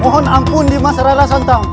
mohon ampun di masyarakat tahu